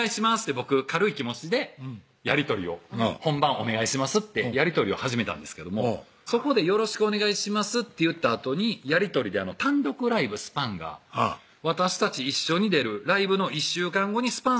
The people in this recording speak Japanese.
僕軽い気持ちでやり取りを「本番お願いします」ってやり取りを始めたんですけどもそこで「よろしくお願いします」と言ったあとにやり取りで単独ライブｓｐａｎ！が「私たち一緒に出るライブの１週間後にｓｐａｎ！